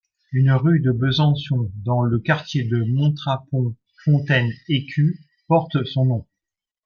Une rue de Besançon, dans le quartier de Montrapon-Fontaine-Écu, porte son nom.